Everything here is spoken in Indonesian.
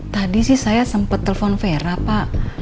tadi sih saya sempet telpon vera pak